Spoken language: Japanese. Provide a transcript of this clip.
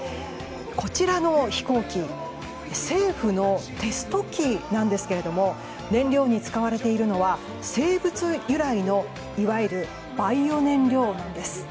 こちらの飛行機政府のテスト機なんですが燃料に使われているのは生物由来のいわゆるバイオ燃料なんです。